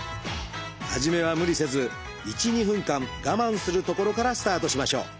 初めは無理せず１２分間我慢するところからスタートしましょう。